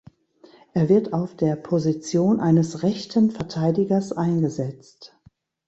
Er wird auf der Position eines rechten Verteidigers eingesetzt.